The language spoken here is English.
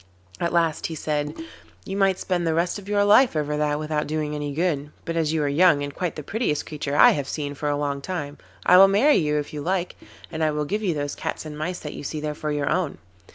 At last he said: 'You might spend the rest of your life over that without doing any good, but as you are young, and quite the prettiest creature I have seen for a long time, I will marry you if you like, and I will give you those cats and mice that you see there for your own.